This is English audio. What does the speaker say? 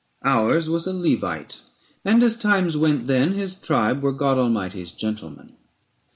Ours was a Levite, and as times went then, His tribe were God Almighty's gentlemen.